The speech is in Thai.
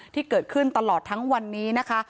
ที่เกิดขึ้นตลอดทั้งวันนี้นะคะ